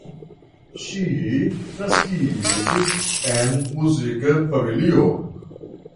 Ŝi naskiĝis en muzika familio.